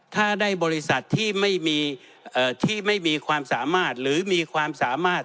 ถ้าได้บริษัทที่ไม่มีที่ไม่มีความสามารถหรือมีความสามารถ